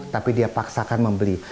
tapi dia paksakan membeli